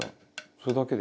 それだけで？」